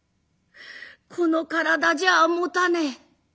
この体じゃあもたねえ。